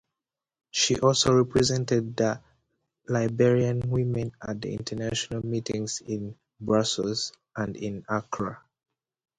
She also represented Liberian women at international meetings in Brussels and in Accra.